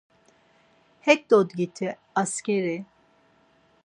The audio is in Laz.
Ek dodgiti askeri!